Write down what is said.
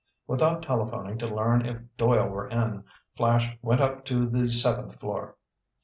Without telephoning to learn if Doyle were in, Flash went up to the seventh floor.